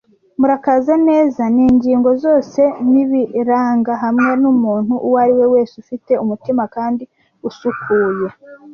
Murakaza neza ningingo zose nibiranga, hamwe numuntu uwo ari we wese ufite umutima kandi usukuye,